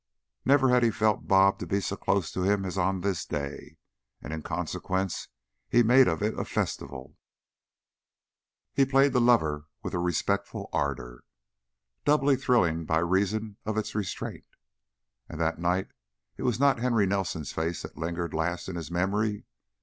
Never had he felt "Bob" to be so close to him as on this day, and in consequence he made of it a festival. He played the lover with a respectful ardor, doubly thrilling by reason of its restraint, and that night it was not Henry Nelson's face that lingered last in his memory.